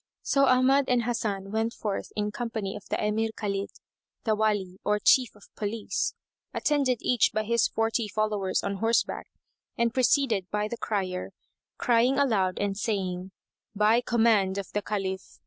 So Ahmad and Hasan went forth in company of the Emir Khalid, the Wali or Chief of Police, attended each by his forty followers on horseback, and preceded by the Crier, crying aloud and saying, "By command of the Caliph!